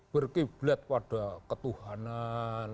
berkiblat pada ketuhanan